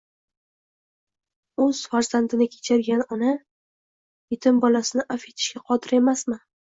O'z farzandini kechirgan ona, yetim bolasini avf etishga qodir emasmi?